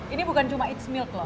ini bukan cuma eats milk loh